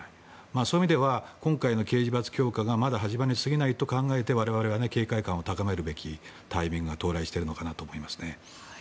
そういう意味では今回の刑事罰強化がまだ始まりに過ぎないと考えて警戒感を高めるべきタイミングが到来していると思います。